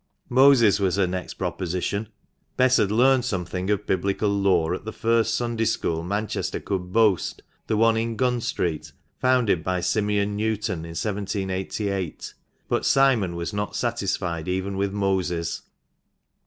Moses was her next proposition — Bess had learned something of Biblical lore at the first Sunday school Manchester could boast, the one in Gun Street, founded by Simeon Newton in 1788 — but Simon was not satisfied even with Moses.